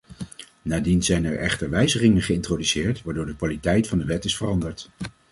Nadien zijn er echter wijzigingen geïntroduceerd, waardoor de kwaliteit van de wet is veranderd.